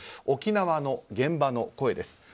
沖縄の現場の声です。